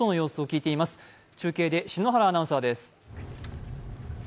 中継で篠原アナウンサーです。